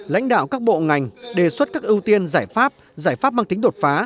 lãnh đạo các bộ ngành đề xuất các ưu tiên giải pháp giải pháp mang tính đột phá